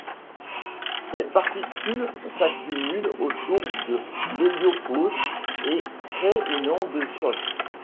Ces particules s'accumulent autour de l'héliopause et créent une onde de choc.